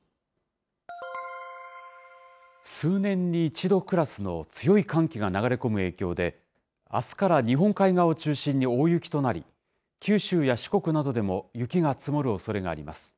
数年に一度クラスの強い寒気が流れ込む影響で、あすから日本海側を中心に大雪となり、九州や四国などでも雪が積もるおそれがあります。